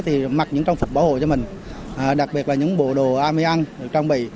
thì mặc những trang phục bảo hộ cho mình đặc biệt là những bộ đồ ami ăn được trang bị